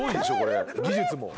技術も。